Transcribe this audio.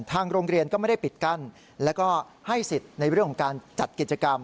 ทางโรงเรียนก็ไม่ได้ปิดกั้นแล้วก็ให้สิทธิ์ในเรื่องของการจัดกิจกรรม